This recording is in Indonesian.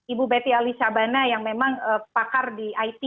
ibu betty alysabana yang memang pakar di it